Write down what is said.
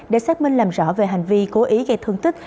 để xác minh làm rõ về hành vi cố ý gây thương tích